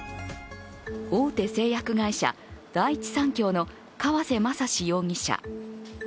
大手製薬会社、第一三共の川瀬雅史歴容疑者。